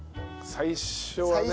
最初はね。